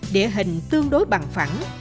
địa hình tương đối bằng phẳng